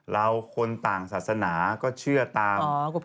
เราคนต่างศาสนาก็เชื่อตาม